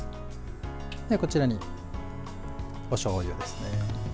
こちらに、おしょうゆですね。